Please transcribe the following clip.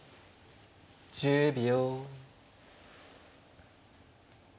１０秒。